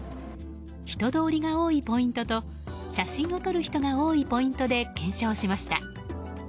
人通りが多いポイントと写真を撮る人が多いポイントで検証しました。